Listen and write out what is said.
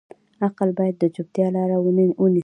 عقل باید د چوپتیا لاره ونیسي.